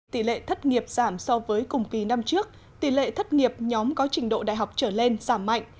tỷ lệ thất nghiệp giảm so với cùng kỳ năm trước tỷ lệ thất nghiệp nhóm có trình độ đại học trở lên giảm mạnh